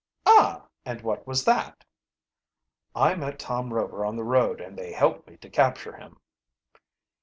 "Ah, and what was that?" "I met Tom Rover on the road and they helped me to capture him."